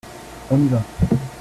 On y va !